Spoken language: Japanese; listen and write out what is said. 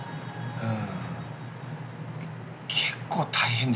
うん。